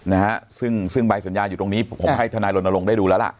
นะฮะซึ่งซึ่งใบสัญญาอยู่ตรงนี้ผมให้ทนายรณรงค์ได้ดูแล้วล่ะ